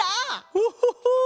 オホホ！